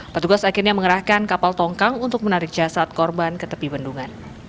petugas akhirnya mengerahkan kapal tongkang untuk menarik jasad korban ke tepi bendungan